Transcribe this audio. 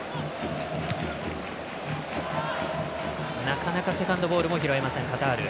なかなかセカンドボールも拾えません、カタール。